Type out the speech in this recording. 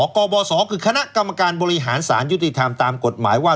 กบสคือคณะกรรมการบริหารสารยุติธรรมตามกฎหมายว่า